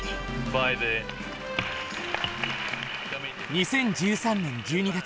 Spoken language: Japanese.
２０１３年１２月。